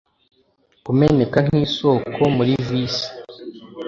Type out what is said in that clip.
kumeneka nk'isoko muri vice